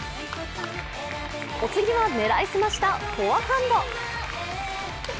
お次は狙い澄ましたフォアハンド。